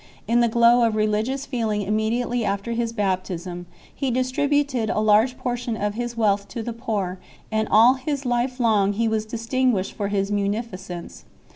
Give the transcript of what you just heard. In the glow of religious feeling immediately ( after his baptism he distributed a large portion of his | wealth to the poor 4 , and all his life long he was dig tin guished for his munificence 5